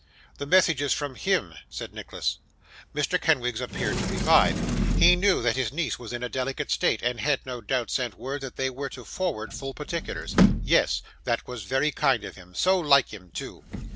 'The message is from him,' said Nicholas. Mr. Kenwigs appeared to revive. He knew that his niece was in a delicate state, and had, no doubt, sent word that they were to forward full particulars. Yes. That was very kind of him; so like him too!